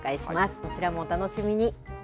こちらもお楽しみに。